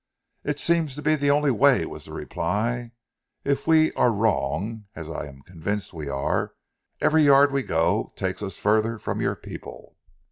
"It seems to be the only way," was the reply. "If we are wrong, as I am convinced we are, every yard we go takes us further from your people."